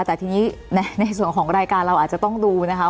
แต่ทีนี้ในส่วนของรายการเราอาจจะต้องดูนะคะ